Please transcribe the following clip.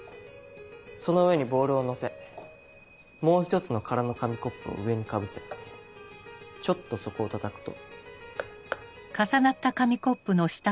その上にボールをのせもう１つの空の紙コップを上にかぶせちょっと底をたたくと。